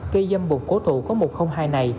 cây dâm bục cổ thụ có mục hai này